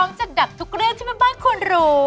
พร้อมจะดัดทุกเรื่องที่บ้านบ้านคุณรู้